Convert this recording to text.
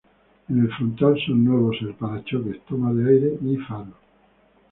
En el frontal son nuevos el parachoques, toma de aire y faros.